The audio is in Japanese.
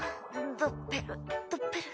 ドッペルドッペル。